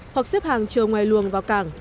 hoặc xếp hàng chờ ngoài luồng vào cảng